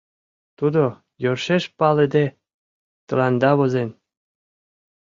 Тудо, йӧршеш палыде, тыланда возен.